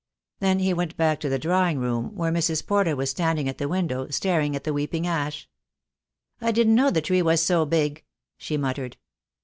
Then he went back to the drawing room, where Mrs. Porter was standing at the window, staring at the weeping ash. "I didn't know the tree was so big," she muttered.